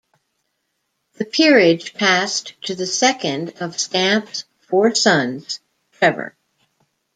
The peerage passed to the second of Stamp's four sons, Trevor.